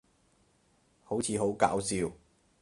好似好搞笑